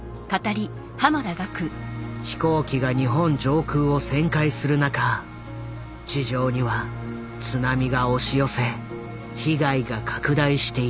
飛行機が日本上空を旋回する中地上には津波が押し寄せ被害が拡大していった。